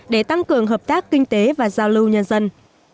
để tăng cường hợp tác kinh tế và giao lưu nhân dân